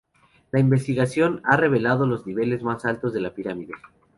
La investigación ha revelado los niveles más altos de la pirámide.